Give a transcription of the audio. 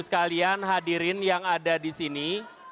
sekalian hadirin yang ada di sini